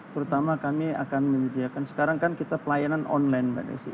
terutama kami akan menyediakan sekarang kan kita pelayanan online mbak desi